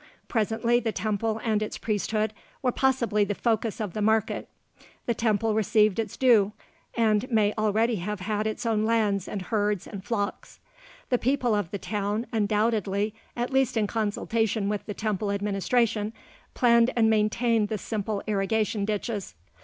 Presently the temple and its priesthood were possibly the focus of the market; the temple received its due, and may already have had its own lands and herds and flocks. The people of the town, undoubtedly at least in consultation with the temple administration, planned and maintained the simple irrigation ditches.